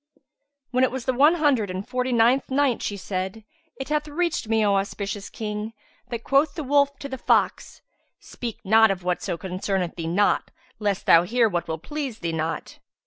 When it was the One Hundred and Forty ninth Night, She said, It hath reached me, O auspicious King, that quoth the wolf to the fox, "Speak not of whatso concerneth thee not, lest thou hear what will please thee not!"